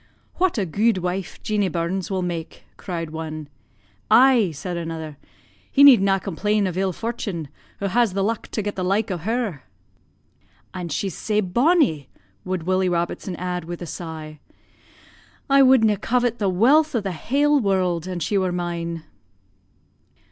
'What a guid wife Jeanie Burns will mak',' cried one. 'Aye,' said another, 'he need na complain of ill fortin, who has the luck to get the like o' her.' "'An' she's sae bonnie,' would Willie Robertson add with a sigh. 'I would na' covet the wealth o' the hale world an she were mine.'